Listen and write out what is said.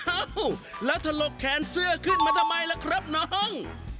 เอ้าแล้วถลกแขนเสื้อขึ้นมาทำไมล่ะครับน้อง